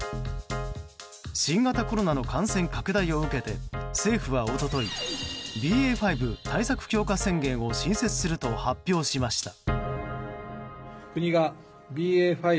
新型コロナの感染拡大を受けて政府は一昨日ＢＡ．５対策強化宣言を新設すると発表しました。